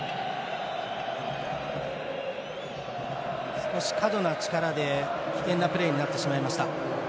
少し過度な力で危険なプレーになってしまいました。